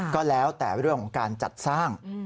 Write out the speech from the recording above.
ก็แล้วแต่เรื่องของการจัดสร้าง